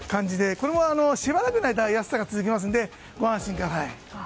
これもしばらくの間安さが続きますのでご安心ください。